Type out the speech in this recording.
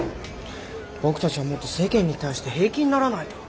僕たちはもっと世間に対して平気にならないと。